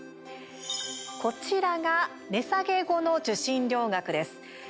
こちらが値下げ後の受信料額です。